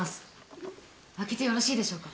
開けてよろしいでしょうか？